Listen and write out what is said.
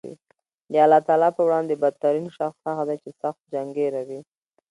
د الله تعالی په وړاندې بد ترین شخص هغه دی چې سخت جنګېره وي